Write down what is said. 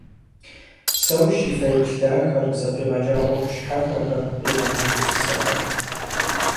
Псэущ и фэеплъ дахэр, зэфӏигъэкӏа ӏуэху щхьэпэхэр, къигъэна гупсысэхэр.